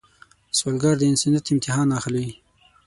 سوالګر د انسانیت امتحان اخلي